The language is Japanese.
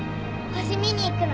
星見に行くの。